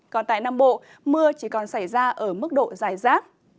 còn tại nam bộ mưa chỉ còn xảy ra ở mức độ dài rác